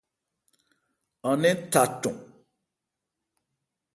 An nɛ́n tha cɔn.